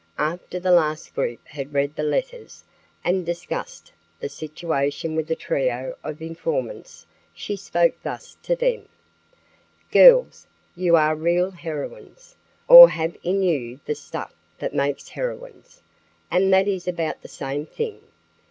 After the last group had read the letters and discussed the situation with the trio of informants, she spoke thus to them: "Girls, you are real heroines, or have in you the stuff that makes heroines, and that is about the same thing.